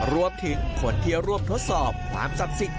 รวมถึงคนที่ร่วมทดสอบความศักดิ์สิทธิ